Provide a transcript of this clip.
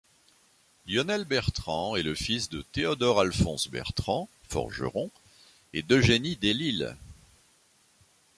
Lionel Bertrand est le fils de Théodore-Alphonse Bertrand, forgeron, et d'Eugénie Délisle.